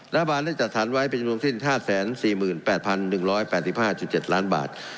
รัฐบาลได้จัดสรรไว้เป็นจำนวนสิ้น๕๔๘๑๘๕๗ล้านบาท